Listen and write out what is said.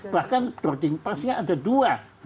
bahkan boarding pass nya ada dua